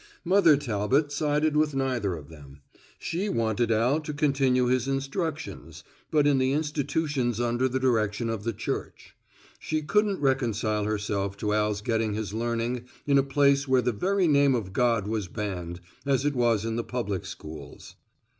Mother Talbot sided with neither of them. She wanted Al to continue his instructions, but in the institutions under the direction of the Church. She couldn't reconcile herself to Al's getting his learning in a place where the very name of God was banned, as it was in the public schools.